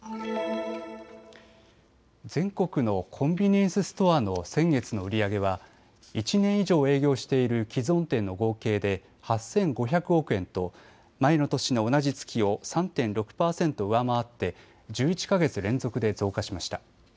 全国のコンビニエンスストアの先月の売り上げは１年以上営業している既存店の合計で８５００億円と前の年の同じ月を３．６％上回って１１か月連続で増加しました。